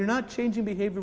orang orang suka tanah